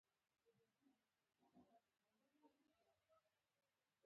ماشوم ورو وويل: